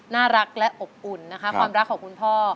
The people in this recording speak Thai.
น่ารักและอบอุ่นนะคะความรักของคุณพ่อ